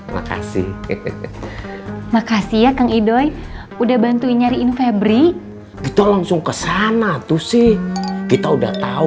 makasih makasih ya kang ido udah bantuin nyariin febri kita langsung ke sana tuh sih kita udah tahu